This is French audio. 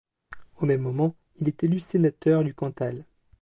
Au même moment, il est élu sénateur du Cantal.